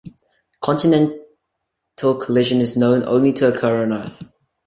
Continental collision is known only to occur on Earth.